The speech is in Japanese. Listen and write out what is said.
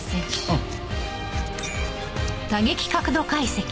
うん。